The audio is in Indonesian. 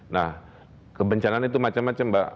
nah kebencanaan itu macam macam mbak